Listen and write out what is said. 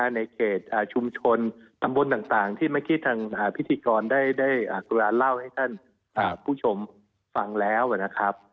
ในเขตชุมชนตำบลต่างที่เมื่อกี้ทางพิธีกรได้กรุณาเล่าให้ท่านผู้ชมฟังแล้วนะครับ